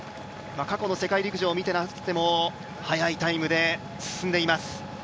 過去の世界陸上を見ていましても早いタイムで進んでいきます。